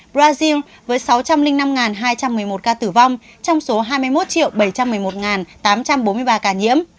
brazil với sáu trăm linh năm hai trăm một mươi một ca tử vong trong số hai mươi một bảy trăm một mươi một tám trăm bốn mươi ba ca nhiễm